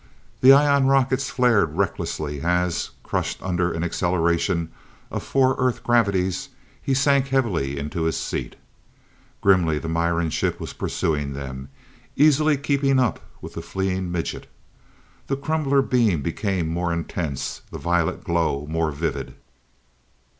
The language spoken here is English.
The ion rockets flared recklessly as, crushed under an acceleration of four Earth gravities, he sank heavily into his seat. Grimly the Miran ship was pursuing them, easily keeping up with the fleeing midget. The crumbler became more intense, the violet glow more vivid.